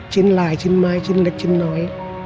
ชิ้นหลายชิ้นไม้ชิ้นเล็กชิ้นน้อย